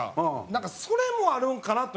なんかそれもあるんかなって。